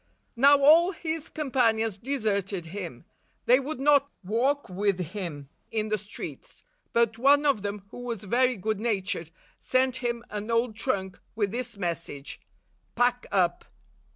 Now all his companions deserted him. They would not walk with him in the streets ; but one of them, who was very good natured, sent him an old trunk with this message, "Pack up!"